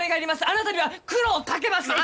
あなたには苦労をかけます！